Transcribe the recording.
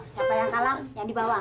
siapa yang kalah yang dibawa